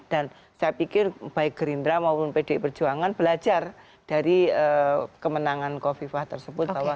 dan saya pikir baik gerindra maupun pd perjuangan belajar dari kemenangan kofifa tersebut